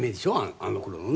あの頃のね。